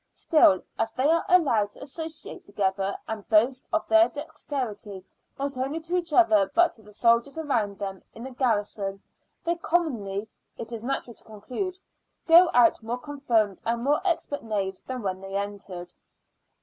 Still, as they are allowed to associate together, and boast of their dexterity, not only to each other but to the soldiers around them, in the garrison; they commonly, it is natural to conclude, go out more confirmed and more expert knaves than when they entered.